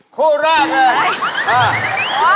คู่แรกเลยไอ้